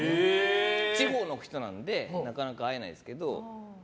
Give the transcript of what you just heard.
地方の人なんでなかなか会えないですけど。